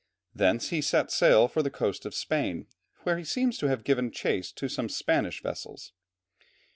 Thence he set sail for the coast of Spain, where he seems to have given chase to some Spanish vessels.